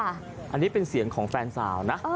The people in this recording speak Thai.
อันนี้เป็นเสียงของแฟนสาวนะ